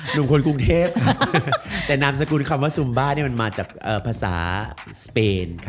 หนุ่มคนกรุงเทพแต่นามสกุลคำว่าซุมบ้านี่มันมาจากภาษาสเปน